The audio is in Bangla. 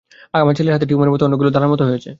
আমার ছেলের হাতে টিউমারের মত অনেকগুলো দলার মত হয়েছে।